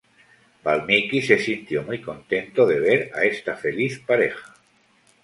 Valmiki se sintió muy contento de ver a esta feliz pareja.